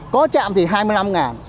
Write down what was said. có trạm thì hai mươi năm ngàn